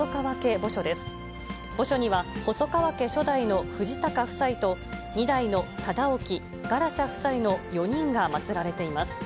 墓所には、細川家初代の藤孝夫妻と２代の忠興・ガラシャ夫妻の４人が祭られています。